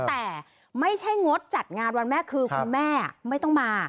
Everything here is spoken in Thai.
แต่ไม่ใช่งดจัดงานวันแม่คือคุณแม่ไม่ต้องมา